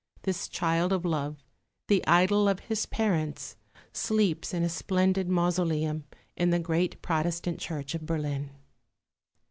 This child of love, the idol of his parents, sleeps in a splendid mausoleum in the great Protestant Church of Berlin.